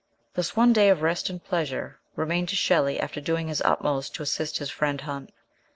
Thus one day of rest and pleasure remained to Shelley after doing his utmost to assist his friend Hunt.